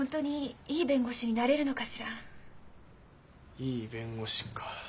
いい弁護士か。